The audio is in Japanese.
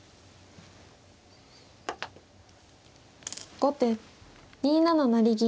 後手２七成銀。